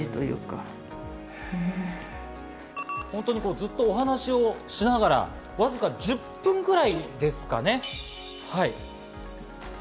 ずっとお話をしながら、わずか１０分くらいですかね。